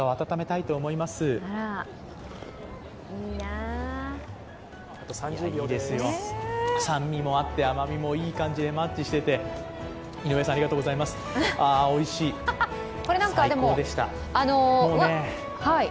いいですよ、酸味もあって甘みもいい感じでマッチしていて、井上さん、ありがとうございます、ああ、おいしい、最高でした。